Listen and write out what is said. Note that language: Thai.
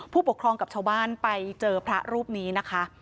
ผู้ปกครองกับชาวบ้านไปเจอพระรูปนี้นะคะ